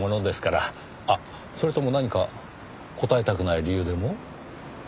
あっそれとも何か答えたくない理由でも？